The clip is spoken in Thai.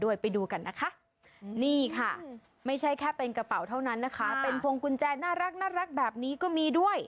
ไปดูกันนะคะนี่ค่ะไม่ใช่แค่เป็นกระเป๋าเท่านั้นนะคะเป็นพวงกุญแจน่ารักแบบนี้ก็มีด้วย